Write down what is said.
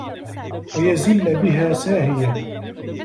وَيَزِلَّ بِهَا سَاهِيًا